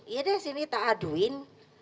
yaudah sini tak aduin